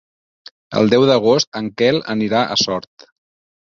El deu d'agost en Quel anirà a Sort.